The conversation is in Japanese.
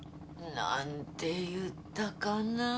なんていったかなあ？